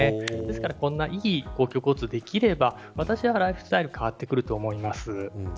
こんないい公共交通ができればライフスタイルが変わってくると思います。